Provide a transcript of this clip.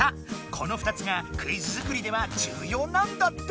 この２つがクイズ作りではじゅうようなんだって！